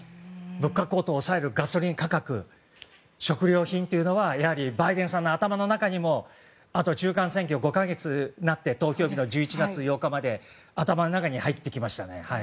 物価高騰を抑えガソリン、食料品というのはやはりバイデンさんの頭の中にもあと中間選挙５か月になって投票日の１１月８日まで頭の中に入ってきましたね。